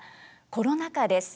コロナ禍です。